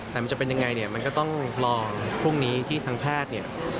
แต่มันจะเป็นอย่างไรมันก็ต้องรองพรุ่งนี้ที่ทางแพทย์